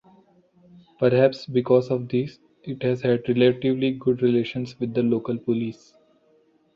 Perhaps because of this, it has had relatively good relations with the local police.